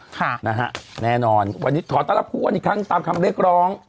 ค่ะนะฮะแน่นอนวันนี้ขอต้อนรับผู้อ้วนอีกครั้งตามคำเรียกร้อง